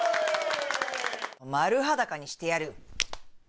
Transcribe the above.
丸裸にしてやる！